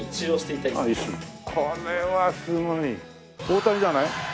大谷じゃない？